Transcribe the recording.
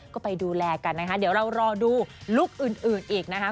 ก็ไปดูแลกันนะคะเดี๋ยวเรารอดูลุคอื่นอีกนะคะ